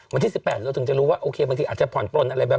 วันที่๑๘จะรู้ว่าโอเคบางทีอาจจะผ่อนปล้นอะไรบ้าง